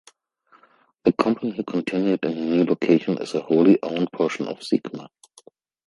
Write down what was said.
The company continued in a new location as a wholly owned portion of Sigma.